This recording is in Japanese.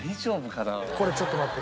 これちょっと待って。